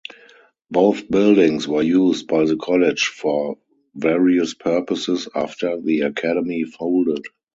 Both buildings were used by the college for various purposes after the Academy folded.